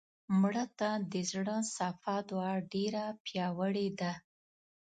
مړه ته د زړه صفا دعا ډېره پیاوړې ده